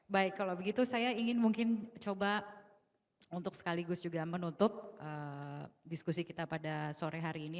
baik kalau begitu saya ingin mungkin coba untuk sekaligus juga menutup diskusi kita pada sore hari ini